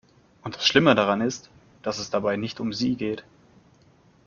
Und das Schlimme daran ist, dass es dabei nicht um sie geht.